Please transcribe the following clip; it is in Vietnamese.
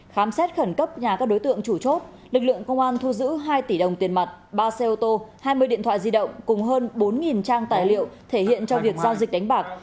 khám xét khẩn cấp nhà các đối tượng chủ chốt lực lượng công an thu giữ hai tỷ đồng tiền mặt ba xe ô tô hai mươi điện thoại di động cùng hơn bốn trang tài liệu thể hiện trong việc giao dịch đánh bạc